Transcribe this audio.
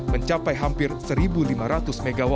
mencapai hampir satu lima ratus mw